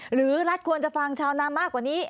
หรือรัฐควรจะฟังชาวนามากกว่านี้